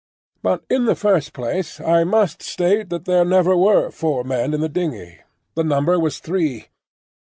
But in the first place I must state that there never were four men in the dingey,—the number was three.